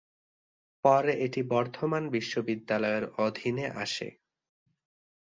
পরে এটি বর্ধমান বিশ্ববিদ্যালয়ের অধীনে আসে।